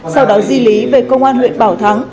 sau đó di lý về công an huyện bảo thắng